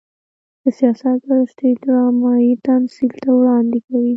د سياست پر سټېج ډرامايي تمثيل ته وړاندې کوي.